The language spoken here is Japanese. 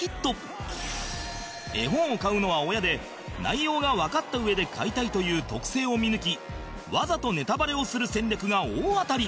絵本を買うのは親で内容がわかった上で買いたいという特性を見抜きわざとネタバレをする戦略が大当たり